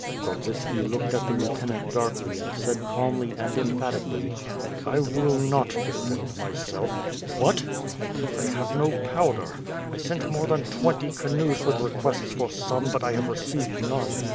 Grodzitski looked at the lieutenant darkly and said calmly and emphatically: ^T[ will not defend myself. .," W/fff FIRE AND SWORD. 1^5 "I have no powder. I sent more than twenty canoes with requests for some, but I have received none.